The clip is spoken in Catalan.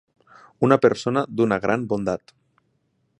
Una persona d'una gran bondat.